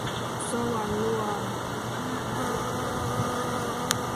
สวรรค์ลวง - นงนาถ ณ วังสาย